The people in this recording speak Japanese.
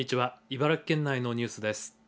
茨城県内のニュースです。